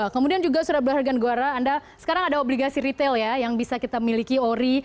kemudian juga surat berharga negara anda sekarang ada obligasi retail ya yang bisa kita miliki ori